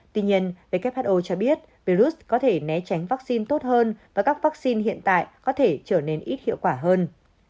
tuy nhiên who cho biết virus có thể né tránh vắc xin tốt hơn và các vắc xin hiện tại có thể trở nên ít hiệu quả hơn